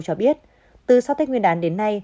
cho biết từ sau tết nguyên đán đến nay